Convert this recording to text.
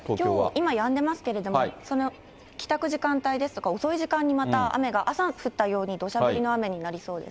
今、やんでますけれども、帰宅時間帯ですとか、遅い時間にまた雨が、朝降ったようにどしゃ降りの雨になりそうです。